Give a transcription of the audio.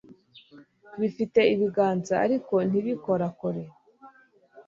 bifite ibiganza, ariko ntibikorakore